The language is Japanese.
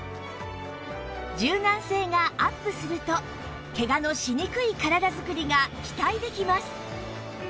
柔軟性がアップするとケガのしにくい体作りが期待できます